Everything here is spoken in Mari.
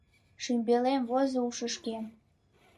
Шӱмбелем возо ушышкем.